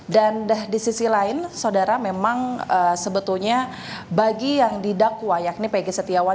dan di sisi lain saudara memang sebetulnya bagi yang didakwa yakni peggy setiawan